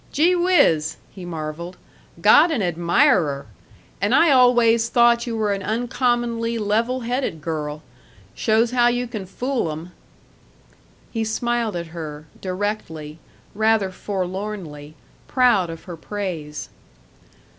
"Gee whiz!" he marveled. "Got an admirer! And I always thought you were an uncommonly level headed girl. Shows how you can fool 'em." He smiled at her, directly, rather forlornly, proud of her praise.